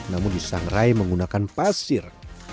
namun disangrai menggunakan pasir